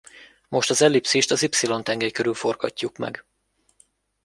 Most az ellipszist az y tengely körül forgatjuk meg.